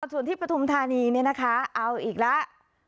ส่วนที่ปฐุมธานีเนี่ยนะคะเอาอีกแล้ว